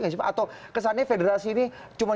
atau kesannya federasi ini cuma